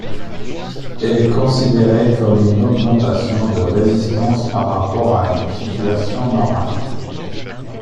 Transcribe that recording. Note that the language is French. Est considéré comme une augmentation de résistance par rapport à une situation normale.